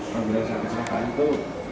pameran saya kecelakaan itu